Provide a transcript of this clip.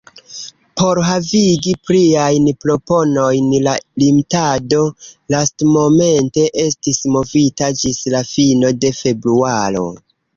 Por havigi pliajn proponojn la limdato lastmomente estis movita ĝis la fino de februaro.